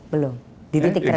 belum di titik teredah